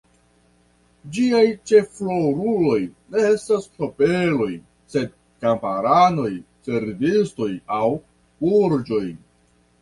Ĝiaj ĉefroluloj ne estas nobeloj, sed kamparanoj, servistoj aŭ burĝoj.